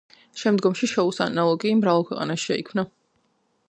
შემდგომში შოუს ანალოგი მრავალ ქვეყანაში შეიქმნა.